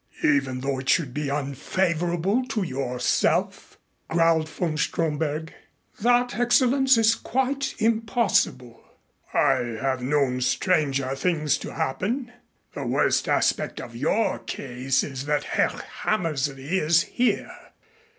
"Even though it should be unfavorable to yourself?" growled von Stromberg. "That, Excellenz, is quite impossible." "I have known stranger things to happen. The worst aspect of your case is that Herr Hammersley is here.